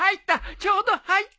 ちょうど入ったぞ！